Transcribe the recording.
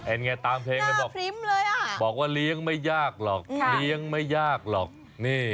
ไงตามเพลงเลยบอกบอกว่าเลี้ยงไม่ยากหรอกเลี้ยงไม่ยากหรอก